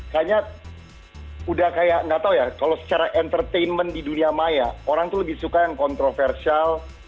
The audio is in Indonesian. kayaknya udah kayak nggak tahu ya kalau secara entertainment di dunia maya orang tuh lebih suka yang kontroversial